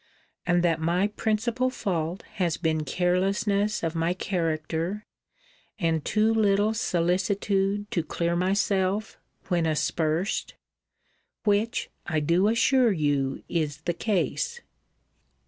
And that my principal fault has been carelessness of my character, and too little solicitude to clear myself, when aspersed? Which, I do assure you, is the case.